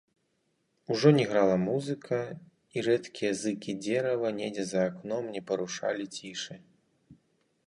Ужо не грала музыка, і рэдкія зыкі дзерава недзе за акном не парушалі цішы.